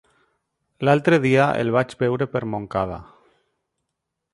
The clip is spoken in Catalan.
L'altre dia el vaig veure per Montcada.